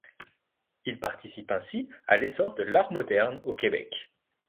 Il participe ainsi à l'essor de l'art moderne au Québec.